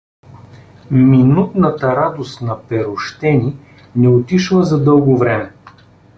Минутната радост на перущени не отишла за дълго време.